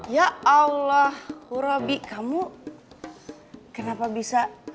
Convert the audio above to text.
ya allah hurra bi kamu kenapa bisa